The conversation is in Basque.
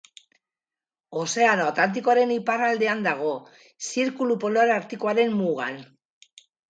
Ozeano Atlantikoaren iparraldean dago, Zirkulu Polar Artikoaren mugan.